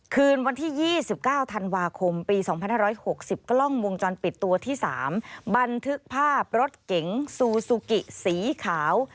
คืนวันที่๒๙ธันวาคมปี๒๕๖๐กล้องวงจรปิดตัวที่๓บันทึกภาพรถเก๋งซูซูกิสีขาว